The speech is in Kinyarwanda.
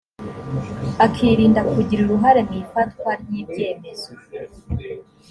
akirinda kugira uruhare mu ifatwa ry’ ibyemezo